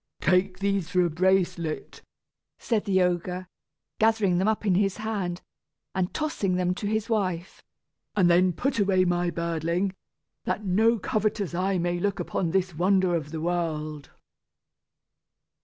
"Take these for a bracelet," said the ogre, gathering them up in his hand, and tossing them to his wife; "and then put away my birdling, that no covetous eye may look upon this wonder of the world."